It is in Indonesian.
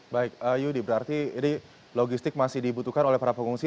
baik yudi berarti ini logistik masih dibutuhkan oleh para pengungsi